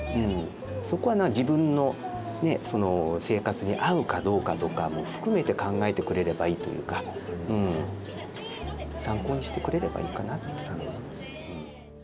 そこは自分の生活に合うかどうかとかも含めて考えてくれればいいというか参考にしてくれればいいかなって思ってます。